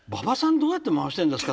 どうやって回してるんですか？」